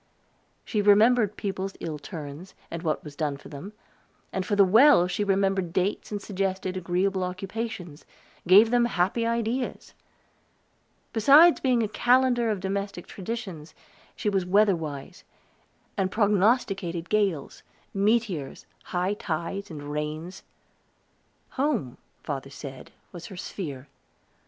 She remembered people's ill turns, and what was done for them; and for the well she remembered dates and suggested agreeable occupations gave them happy ideas. Besides being a calendar of domestic traditions, she was weather wise, and prognosticated gales, meteors, high tides, and rains. Home, father said, was her sphere.